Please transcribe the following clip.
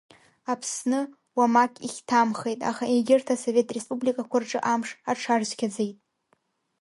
Аԥсны уамак ихьҭамхеит, аха егьырҭ асовет республикақәа рҿы амш аҽарцәгьаӡеит.